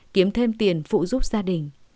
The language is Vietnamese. kiếm thêm tiền phụ giúp gia đình